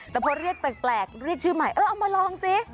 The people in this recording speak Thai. แต่พอเรียกแปลกเรียกชื่อใหม่เออเอามาลองสิ